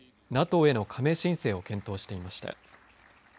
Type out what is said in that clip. ＮＡＴＯへの加盟申請を検討していました。